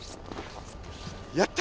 やった！